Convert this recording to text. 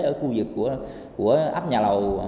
ở khu vực của ấp nhà lầu